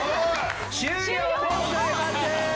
終了でございます。